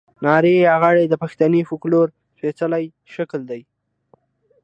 نارې یا غاړې د پښتني فوکلور سپېڅلی شکل دی.